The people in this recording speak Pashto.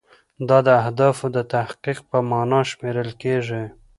دا د اهدافو د تحقق په معنا شمیرل کیږي.